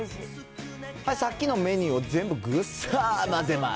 さっきのメニューを全部ぐっさー混ぜます。